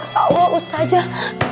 ya allah ustazah